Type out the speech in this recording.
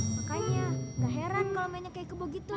makanya gak heran kalau mainnya kayak kebo gitu